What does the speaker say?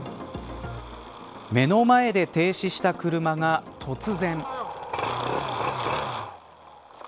目の前で停止した車が突然。